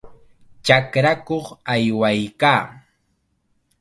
Chakrakuq aywaykaa.